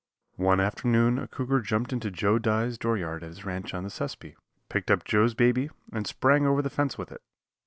One afternoon a cougar jumped into Joe Dye's dooryard at his ranch on the Sespe, picked up Joe's baby and sprang over the fence with it.